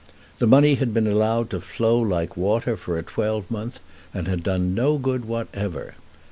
The money had been allowed to flow like water for a twelvemonth, and had done no good whatever.